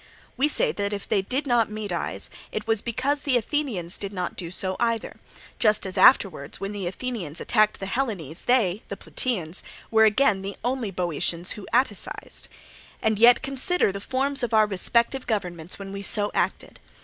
We say that if they did not Medize, it was because the Athenians did not do so either; just as afterwards when the Athenians attacked the Hellenes they, the Plataeans, were again the only Boeotians who Atticized. And yet consider the forms of our respective governments when we so acted.